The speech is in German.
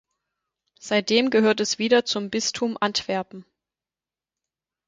Seitdem gehört es wieder zum Bistum Antwerpen.